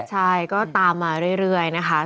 ใช่ก็ตามมาเรื่อยนะคะ